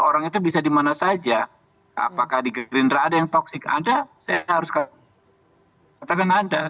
orang itu bisa dimana saja apakah digerindra ada yang toksik ada saya harus ke katakan ada